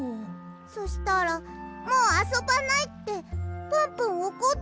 そしたら「もうあそばない」ってプンプンおこっちゃったの。